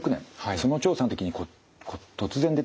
その調査の時に突然出てきてですね